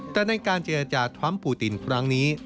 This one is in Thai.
แต่ในการเจรจาทรัมป์ปูตินครั้งนี้